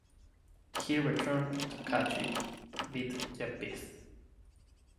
He returned to Kashi Vidyapith.